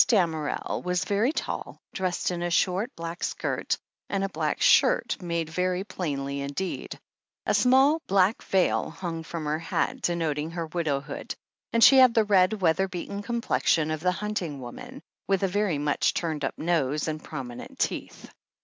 Damerel was very tall, dressed in a short black skirt and a black shirt made very plainly indeed, a small black veil hung from her hat, denoting her widowhood, and she had the red, weather beaten complexion of the hunting woman, with a very much turned up nose and prominent teeth.